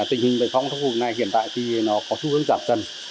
tình hình bệnh phong trong khu vực này hiện tại thì nó có xu hướng giảm dần